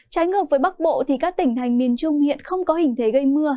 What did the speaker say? trái ngược với bắc bộ thì các tỉnh thành miền trung hiện không có hình thế gây mưa